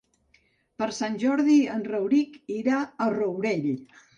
Per Sant Jordi en Rauric irà al Rourell.